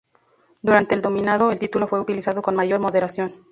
Durante el Dominado, el título fue utilizado con mayor moderación.